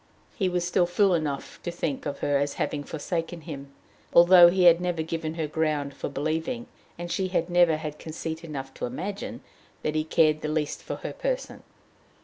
He was still fool enough to think of her as having forsaken him, although he had never given her ground for believing, and she had never had conceit enough to imagine, that he cared the least for her person.